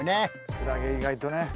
クラゲ意外とね